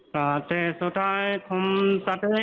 ครับได้ครับ